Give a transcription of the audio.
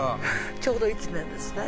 ちょうど１年ですね。